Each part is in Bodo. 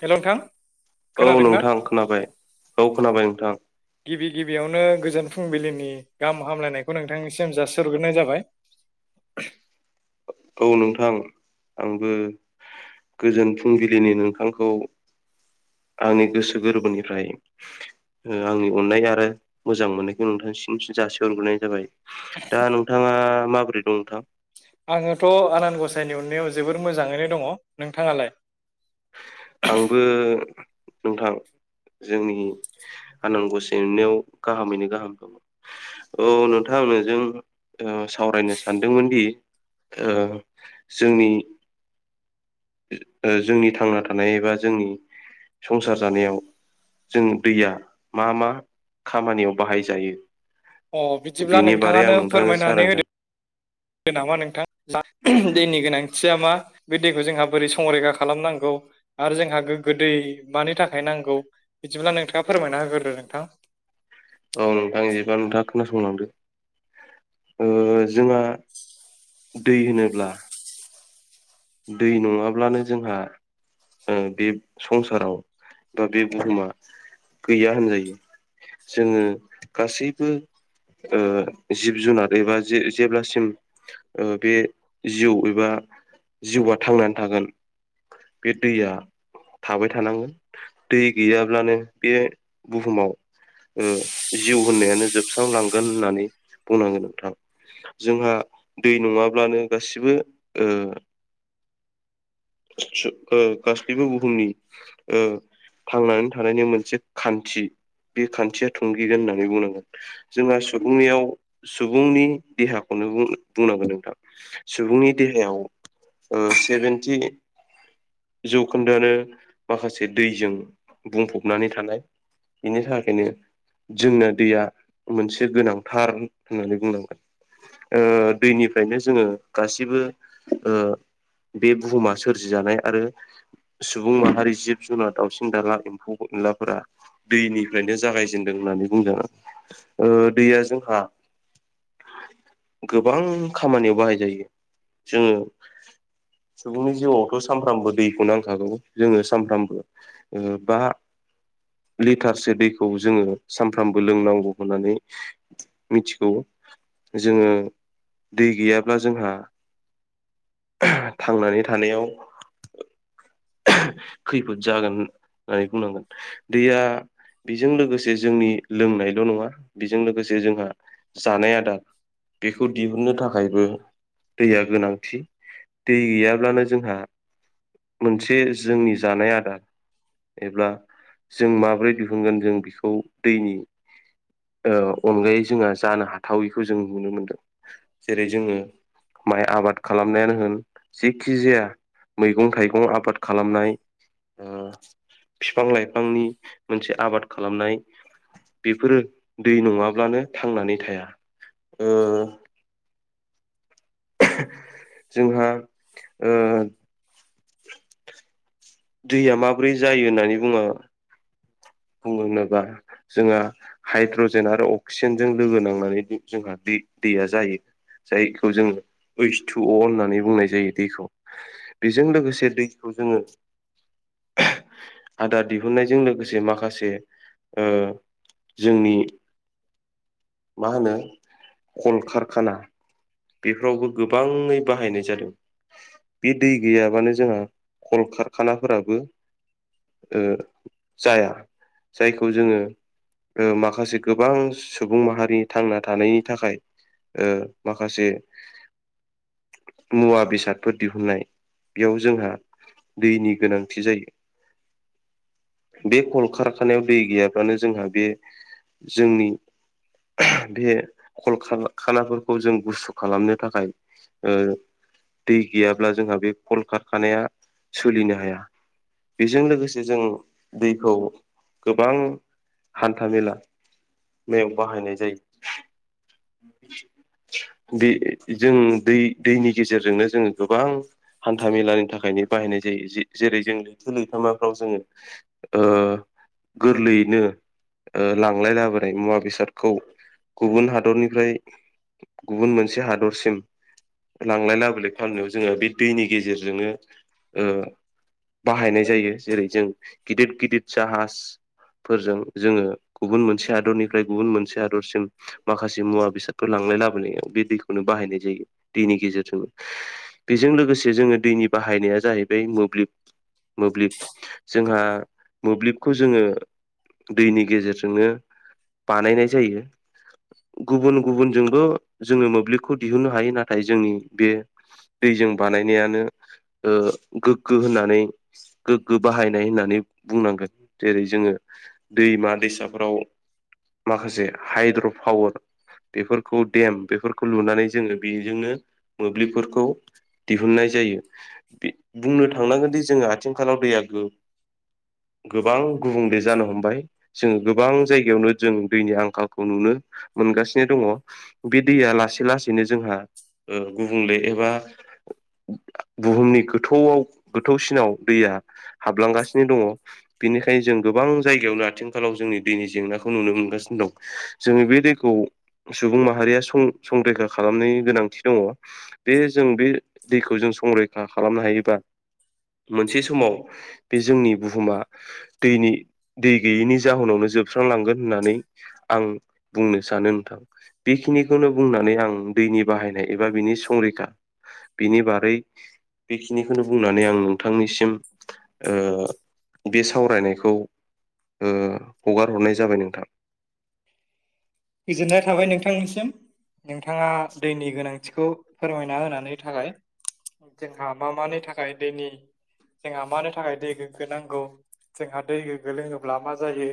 हेल' नोंथां औ खोनादोंना नोंथां खोनाबाय औ खोनाबाय नोंथां। गिबि गिबियावनो गोजोन फुंबिलिनि गाहाम हामलायनायखौ नोंथांनिसिम जासिहरग्रोनाय जाबाय। औ नोंथां आंबो गोजोन फुंबिलिनि नोंथांखौ आंनि गोसो गोरबोनिफ्राय ओ आंनि अननाय आरो मोजां मोननायखौ नोंथांनिसिम सि जासिहरग्रोनाय जाबाय। दा नोंथाङा माबोरै दं नोंथां? आङोथ' आनान गसाइनि अननायाव जोबोर मोजाङैनो दङ। नोंथाङालाय? आंबो नोंथां जोंनि आनान गसाइनि अननायाव गाहामैनो गाहाम दङ। औ नोंथां नोजों ओ सावरायनो सानदोंमोन दि ओ जोंनि ओ जोंनि थांना थानाय एबा जोंनि संसार जानायाव जों दैया मा मा खामानियाव बाहायजायो? अ बिदिब्ला बिनि बारै नोंथाङानो आं नोंथांनो सावरायगोन गो नामा नोंथां जा दैनि गोनांथिया मा? बे दैखौ जोंहा बोरै संरैखा खालामनांगौ आरो जोंहा गोग्गो दै मानि थाखाय नांगौ बिदिब्ला नोंथाङा फोरमायना होग्रोदो नोंथां औ नोंथां इदिबा नोंथाङा खोनासंलांदो ओ जोंहा दै होनोब्ला दै नङाब्लानो जोंहा ओ बे संसाराव बा बे बुहुमा गैया होनजायो। जोङो गासैबो ओ जिब जुनार एबा जे जेब्लासिम ओ बे जिउ एबा जिउआ थांनानै थागोन बे दैया थाबाय थानांगोन दै गैयाब्लानो बे बुहुमाव ओ जिउ होननायानो जोबस्रांलांगोन होननानै बुंनांगोन नोंथां। जोंहा दै नङाब्लानो गासिबो ओ खासु ओ गासैबो बुहुमनि ओ थांनानै थानायनि मोनसे खान्थि बे खान्थिया थुंगिगोन होननानै बुंनांगोन। जोंहा सुबुंनियाव सुबुंनि देहाखौनो बुं बुंनांगोन नोंथां सुबुंनि देहायाव ओ सेभेनटि जौखोन्दोआनो माखासे दैजों बुंफबनानै थानाय बिनि थाखायनो जोंनो दैया मोनसे गोनांथार होननानै बुंनांगोन। ओ दैनिफ्रायनो जोङो गासिबो ओ बे बुहुमा सोरजिजानाय आरो सुबुं माहारि जिब जुनार दावउसिन दाउला एम्फौ एनलाफोरा दैनिफ्रायनो जागायजेनदों होननानै बुंदों। ओ दैया जोंहा गोबां खामानियाव बाहाय जायो। जोङो सुबुंनि जिउआवथ' सानफ्रामबो दैखौ नांखागौ जोङो सानफ्रामबो बा लिटारसो दैखौ जोङो सानफ्रामबो लोंनांगौ होननानै मिथिगौ जोङो दै गैयाब्ला जोंहा थांनानै थानायाव खैफोद जागोन होननानै बुंनांगोन। दैया बेजों लोगोसे जोंनि लोंनायल' नङा बेजों लोगोसे जोंहा जानाय आदार बेखौ दिहुननो थाखायबो दैया गोनांथि। दै गैयाब्लानो जोंहा मोनसे जोंनि जानाय आदार एब्ला जों माबोरै दिहुनगोन जों बेखौ दैनि अनगायै जोंहा जानो हाथावैखौ जों नुनो मोन्दों। जेरै जोङो माइ आबादखौ खालामनायानो होन जखि जाया मैगं थाइगं आबाद खालामनाय बिफां लाइफांनि मोनसे आबाद खालामनाय बेफोरो दै नङाब्लानो थांनानै थाया। ओ जोंहा ओ दैया माबोरै जायो होननानै बुङो बुंङोबा जोंहा हाइद्रजेन आरो अक्सिजेनजों लोगो नांनानै जोंहा दै दैया जायो। जायखौ जोङो ओइस्थु-अ होननानै बुंनाय जायो दैखौ। बेजों लोगोसे दैखौ जोङो आदार दिहुननायजों लोगोसे माखासे माखासे ओ जोंनि मा होनो खल कारखाना बेफोरावबो गोबाङै बाहायनाय जादों। बे दै गैयाबानो जोंहा खल खारखानाफोराबो ओ जाया। जायखौ जोङो ओ माखासे गोबां सुबुं माहारि थांना थानायनि थाखाय ओ माखासे मुवा-बेसादफोर दिहुननाय बेयाव जोंहा दैनि गोनांथि जायो बे कल खारखानायाव दै गैयाब्लानो जोंहा बे जोंनि बे खल-खारखानाफोरखौ जों गुसु खालामनो थाखाय ओ दै गैयाब्ला जोंहा बे खल खारखानाया सोलिनो हाया। बेजों लोगोसे जों दैखौ गोबां हान्थामेला मेयाव बाहायनाय जायो। बे जों दै दैनि गेजेरजोंनो जोङो गोबां हान्था मेलानि थाखायनो बाहायनाय जायो। जेरै जों लैथो-लैथामाफ्राव जोङो ओ गोरलैयैनो ओ लांलाय लाबोनाय मुवा बेसादखौ गुबुन हादरनि ओमफ्राय गुबुन मोनसे हादरसिम लांलाय लाबोलाय खालामनायाव जोङो बे दैनि गेजेरजोंनो ओ बाहायनाय जायो जेरै जों गिदिर गिदिर जाहाज फोरजों जोङो गुबुन मोनसे हादरनिफ्राय गुबुन मोनसे हादरसिम माखासे मुवा-बेसादफोर लांलानाय-लाबोनायाव बे दैखौनो बाहायनाय जायो। दैनि गेजेरजों बेजों लोगोसे जोङो दैनि बाहायनाया जाहैबाय मोब्लिब मोब्लिब जोंहा मोब्लिबखौ जोङो दैनि गेजेरजोंनो बानायनाय जायो गुबुन गुबुनजोंबो जोङो मोब्लिबखौ दिहुननो हायो नाथाय जों बे दैजों बानायनायानो ओ गोग्गो होननानै गोग्गो बाहायनाय होननानै बुंनांगोन जेरै जोङो दैमा-दैसाफोराव माखासे हाइद्र' पावार बेफोरखौ देम बेफोरखौ लुनानै जोङो बेजोंनो मोब्लिबफोरखौ दिहुननाय जायो बुंनो थांनांगोनदि जोङो आथिंखालाव दैया गो गोबां गुबुंले जानो हमबाय जोङो गोबां जायगायावनो जों दैनि आंखालखौ नुनो मोनगासिनो दङ बे दैया लासै लासैनो जोंहा गुबुंले ओ एबा बुहुमनि गोथौआव गोथौसिनाव दैया हाबलांगासिनो दङ बेनिखायनो जों गोबां जायगायावनो आथिंखालाव जोंनि दैनि जेंनाखौ नुनो मोनगासिनो दं जोङो बे दै खौ सुबुं माहारिया सं संरैखा खालामनायनि गोनांथि दङ बे जों बे दैखौ जों संरैखा खालामनो हायोबा मोनसे समाव बे जोंनि बुहुमा दैनि दै गैयैनि जाहोनावनो जोबस्रांलांगोन होननानै आं बुंनो सानो नोंथां बेखिनिखौनो बुंनानै आं दैनि बाहायनाय एबा बिनि संरैखा बिनि बारै बेखिनिखौनो बुंनानै आं नोंथांनिसिम ओ बे सावरायनायखौ ओ हगार हरनाय जाबाय नोंथां गोजोननाय थाबाय नोंथांनिसिम नोंथाङा दैनि गोनांथि खौ फोरमायना होनानै थाखाय जोंहा मा मानि थाखाय दैनि जोंहा मानो थाखाय दै गोग्गो नांगौ जोंहा दै गोग्गो लोङोब्ला मा जायो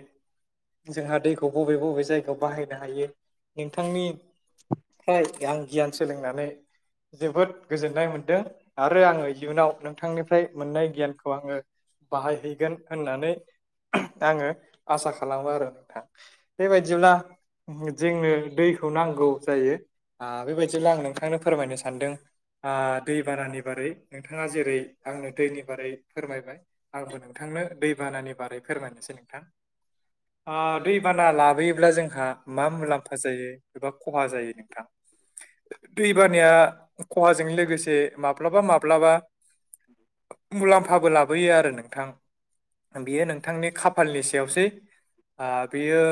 जोंहा दैखौ बबे बबे जायगायाव बाहाय नो हायो नोंथांनि फ्राय आं गियान सोलोंनानै जोबोद गोजोननाय मोनदों आरो आङो इयुनाव नोंथांनिफ्राय मोननाय गियानखौ आङो बाहायहैगोन होननानै आङो आसा खालामो आरो नोंथां बेबायदिब्ला जोंनो दैखौ नांगौ जायो ओ बेबायदिब्ला आं नोंथांनो फोरमायनो सानदों आ दै बानानि बारै नोंथाङा जेरै आंनो दैनि बारै फोरमायबाय आंबो नोंथांनो दै बानानि बारै फोरमायनोसै नोंथां ओ दैबाना लाबोयोब्ला जोंहा मा मुलाम्फा जायो एबा खहा जायो नोंथां दैबानाया खहाजों लोगोसे माब्लाबा माब्लाबा मुलाम्फाबो लाबोयो आरो नोंथां बियो नोंथांनि खाफालनि सायावसै ओ बियो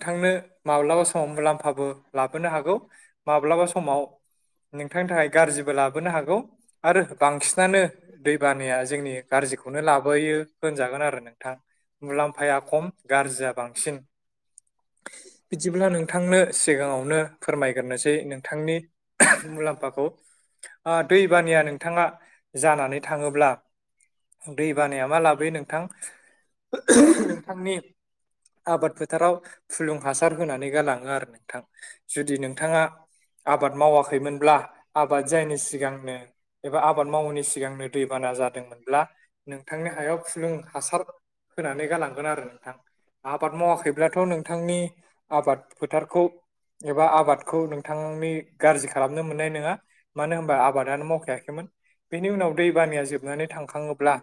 नोंथांनो माब्लाबा समाव मुलाम्फाबो लाबोनो हागौ माब्लाबा समाव नोंथांनि थाखाय गाज्रिबो लाब बोनो हागौ आरो बांसिनानो दैबानाया जोंनि गाज्रिखौनो लाबोयो होनजागोन आरो नोंथां मुलाम्फाया खम गाज्रिया बांसिन बिदिब्ला नोंथांनो सिगाङावनो फोरमायग्रोनोसै नोंथांनि मुलाम्फाखौ ओ दैबानाया नोंथाङा जानानै थाङोब्ला दै बानाया मा लाब बोयो नोंथां नोंथांनि आबाद फोथाराव फुलुं हासार होनानै गालाङो आरो नोंथां जुदि नोंथाङा आबाद मावाखैमोनब्ला आबाद जायिनि सिगांनो एबा आबाद मावैनि सिगांनो दैबाना जादोंमोनब्ला नोंथांनि हायाव फुलुं हासार होनानै गालांगोन आरो नोंथां आबाद मावाखैब्लाथ' नों नोंथांनि आबाद फोथारखौ एबा आबादखौ नोंथांनि गाज्रि खालामनो मोननाय नंङा मानो होनबा आबादानो मावखायाखैमोन बेनि उनाव दै बानाया जोबनानै थांखांङोब्ला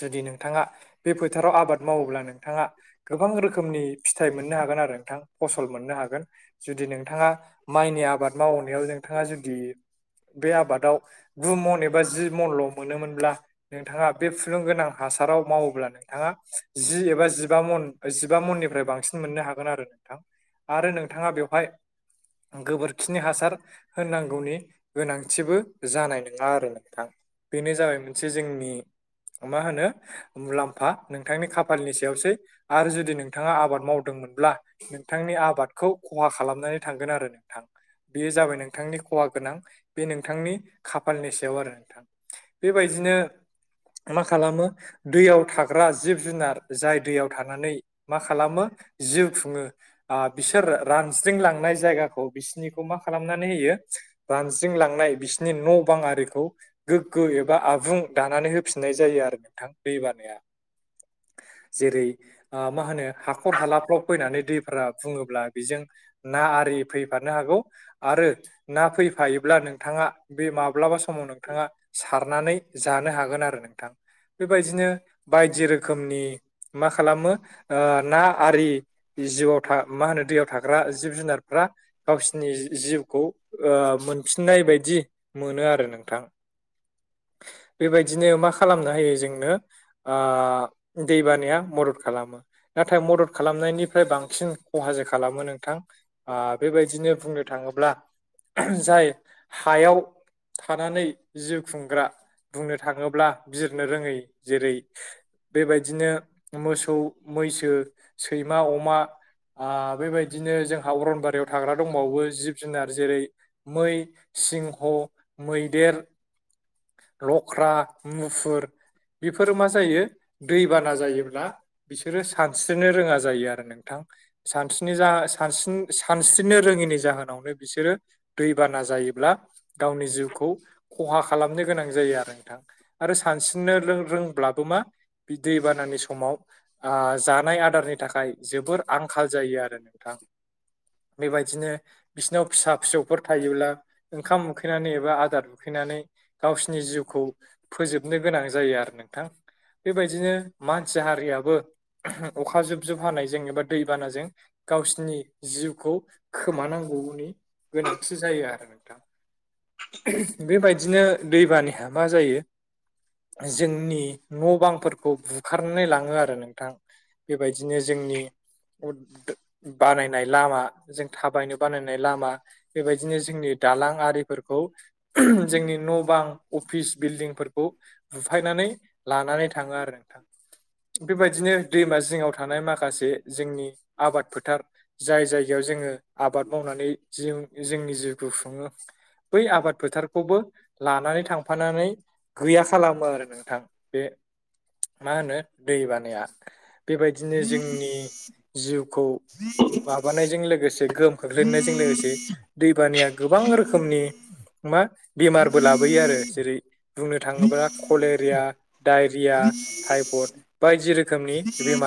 जुदि नोंथाङा बे फोथाराव आबाद मावोब्ला नोंथाङा गोबां रोखोमनि फिथाइ मोननो हागोन आरो नोंथां फसल मोननो हागोन जुदि नोंथांङा माइनि आबाद मावनायाव नोंथांङा जुदि बे आबादाव गु मन एबा जि मनल' मोनोमोनब्ला नोंथांङा बे फुलुं गोनां हासाराव मावोब्ला नोंथाङा जि एबा जिबा मन जिबा मननिफ्राय बां बांसिन मोननो हागोन आरो नोंथां आरो नोंथाङा बेवहाय गोबोरखिनि हासार होनांगौनि गोनांथिबो जानाय नंङा आरो नोंथां बेनो जाबाय मोनसे जोंनि मा होनो मुलाम्फा नोंथांनि खाफालनि सायावसै आरो जुदि नोंथाङा आबाद मावदोंमोनब्ला नोंथांनि आबादखौ खहा खालामनानै थांगोन आरो नोंथां बेयो जाबाय नोंथांनि खहा गोनां बे नोंथांनि खाफालनि सायाव आरो नोंथां बेबायदिनो मा खालामो दैयाव थाग्रा जिब जुनार जाय दैयाव थानानै मा खालामो जिउ खुंङो। बिसोर रानज्रिंलांनाय जायगाखौ बिसोरनिखौ मा खालामनानै होयो। रानज्रिंलांनाय बिसोरनि न' बां आरिखौ गोग्गो एबा आबुं दानानै होफिननाय जायो आरो नोंथां दै बानाया जेरै मा होनो हा हाखर हालाफ्राव फैनानै दैफोरा बुंङोब्ला बेजों ना आरि फैफानो हागौ आरो ना फैफायोब्ला नोंथांङा बे माब्लाबा समाव नोंथांङा सारनानै जानो हागोन आरो नोंथां बेबायदिनो बायदि रोखोमनि मा खालामो ओ ना आरि जिउआव मा होनो दैयाव थाग्रा जिब जुनारफ्रा गावसोरनि जिउखौ ओ मोनफिननाय बायदि मोनो आरो नोंथां बेबायदिनो मा खालामनो होयो जोंनो ओ दैबानाया मदद खालामो नाथाय मदद खालामनायनिफ्राय बांसिन खहासो खालामो नोंथां ओ बेबायदिनो बुंनो थांङोब्ला जाय हायाव थानानै जिउ खुंग्रा बुंनो थाङोब्ला बिरनो रोङै जेरै - बेबायदिनो मोसौ मैसो सैमा अमा ओ बेबायदिनो जोंहा अरनबारियाव थाग्रा दंबावो जिब जुनार जेरै मै सिंह' मैदेर लख्रा मुफुर बेफोरो मा जायो दैबाना जायोब्ला बिसोरो सानस्रिनो रोंङा जायो आरो नोंथां सानस्रिनो जा सानस्रिनो रोङिनि जाहोनावनो बिसोरो दैबाना जायोब्ला गावनि जिउखौ खहा खालामनो गोनां जायो आरो नोंथां आरो सानस्रिनो रों-रोंब्लाबो मा बे दैबानानि समाव ओ जानाय आदारनि थाखाय जोबोर आंखाल जायो आरो नोंथां बेबायदिनो बिसोरनाव फिसा फिसौफोर थायोब्ला ओंखाम उखैनानै एबा आदार उखैनानै गावसिनि जिउखौ फोजोबनो गोनां जायो आरो नोंथां बेबायदिनो मानसि हारियाबो अखा जुब जुब हानायजों एबा दैबानाजों गावसिनि जिउखौ खोमानांगौनि गोनांथि जायो आरो नोंथां बेबायदिनो दैबानिहा मा जायो। जोंनि न' बांफोरखौ बुखारनानै लांङो आरो नोंथां बेबायदिनो जोंनि बानायनाय लामा जों थाबायनो बानायनाय लामा बेबायदिनो जोंनि दालां आरिफोरखौ जोंनि न' बां अफिस बिल्डिंफोरखौ बुफायनानै लानानै थाङो आरो नोंथां। बेबायदिनो दैमा जिङाव थानाय माखासे जोंनि आबाद फोथार जाय जायगायाव जोङो आबाद मावनानै जिउ जोंनि जिउखौ खुङो बै आबाद फोथार खौबो लानानै थांफानानै गैया खालामो आरो नोंथां बे मा होनो दै बानाया बेबायदिनो जोंनि जिउखौ माबानायजों लोगोसे गोहोम खोख्लैनायजों लोगोसे दैबानाया गोबां रोखोमनि मा बेमारबो लाबोयो आरो जेरै बुंनो थाङोब्ला कलेरिया, डायरिया, टाइफड बायदि रोखोमनि बेमार